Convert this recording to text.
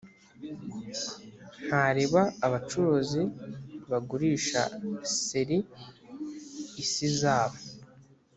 ntareba abacuruzi bagurisha ser isi zabo